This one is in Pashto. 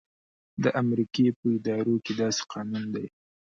د امریکې په ادارو کې داسې قانون دی.